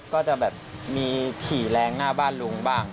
ก็จะแบบมีขี่แรงหน้าบ้านลุงบ้าง